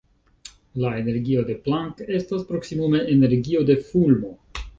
La energio de Planck estas proksimume energio de fulmo.